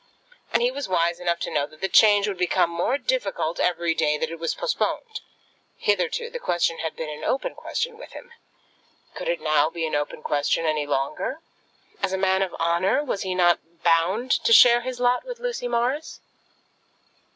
And he was wise enough to know that the change would become more difficult every day that it was postponed. Hitherto the question had been an open question with him. Could it now be an open question any longer? As a man of honour, was he not bound to share his lot with Lucy Morris?